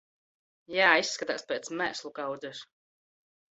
Jā, izskatās pēc mēslu kaudzes.